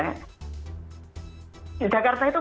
dki jakarta itu